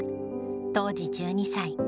当時１２歳。